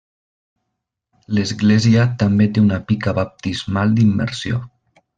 L'església també té una pica baptismal d'immersió.